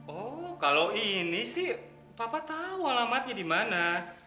oh kalau ini sih papa tahu alamatnya di mana